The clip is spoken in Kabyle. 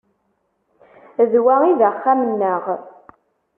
D wa i d axxam-nneɣ.